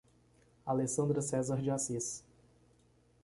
Alessandra Cesar de Assis